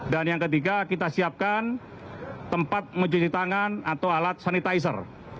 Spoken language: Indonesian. dan yang ketiga kita siapkan tempat mencuci tangan atau alat sanitizer